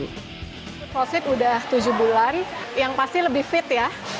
crossfit udah tujuh bulan yang pasti lebih fit ya